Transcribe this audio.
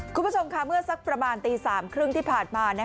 คุณผู้ชมค่ะเมื่อสักประมาณตี๓๓๐ที่ผ่านมา